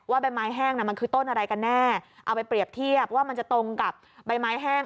ใบไม้แห้งน่ะมันคือต้นอะไรกันแน่เอาไปเปรียบเทียบว่ามันจะตรงกับใบไม้แห้ง